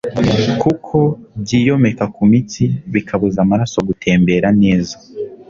kuko byiyomeka mu mitsi bikabuza amaraso gutembera neza